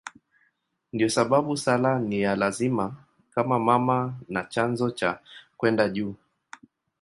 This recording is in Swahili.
Ndiyo sababu sala ni ya lazima kama mama na chanzo cha kwenda juu.